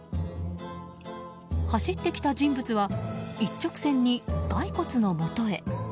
走ってきた人物は一直線にガイコツのもとへ。